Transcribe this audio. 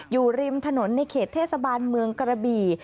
อยู่ริมถนนในเขตเทศบาลเมืองกระบี่